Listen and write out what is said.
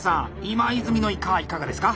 今泉のイカはいかがですか？